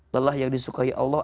lelah yang disukai allah